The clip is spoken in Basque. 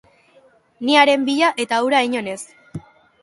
Ni haren bila eta hura inon ez